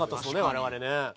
我々ね。